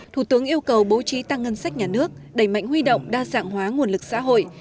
thủ tướng yêu cầu bố trí tăng ngân sách nhà nước đẩy mạnh huy động đa dạng hóa nguồn lực xã hội